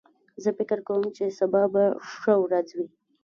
زه فکر کوم چې سبا به ښه ورځ وي